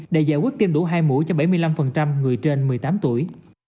để giải quyết tiêm đủ hai mũi cho bảy mươi năm người trên một mươi tám tuổi